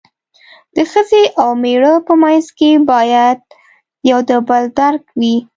د ښځې او مېړه په منځ کې باید یو د بل درک وي.